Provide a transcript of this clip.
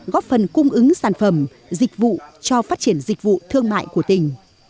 góp phần cung ứng sản phẩm dịch vụ cho phát triển dịch vụ thương mại của tỉnh